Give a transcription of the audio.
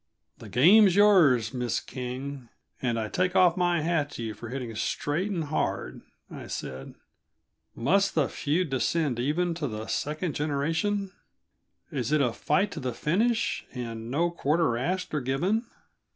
"The game's yours, Miss King, and I take off my hat to you for hitting straight and hard," I said. "Must the feud descend even to the second generation? Is it a fight to the finish, and no quarter asked or given?"